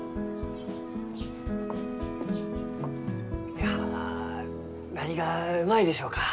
いや何がうまいでしょうか？